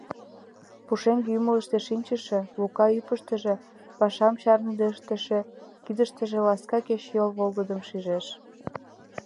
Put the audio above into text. Пушеҥге ӱмылыштӧ шинчыше Лука ӱпыштыжӧ, пашам чарныде ыштыше кидыштыже ласка кечыйол волгыдым шижеш.